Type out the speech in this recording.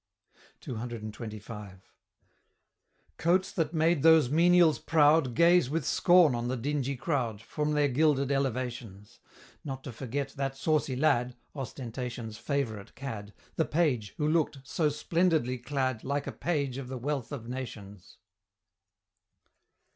CCXXV. Coats, that made those menials proud Gaze with scorn on the dingy crowd, From their gilded elevations; Not to forget that saucy lad (Ostentation's favorite cad); The Page, who look'd, so splendidly clad, Like a Page of the "Wealth of Nations."